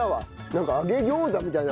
なんか揚げ餃子みたいな。